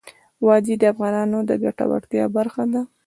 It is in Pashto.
وادي د افغانانو د ګټورتیا برخه ده.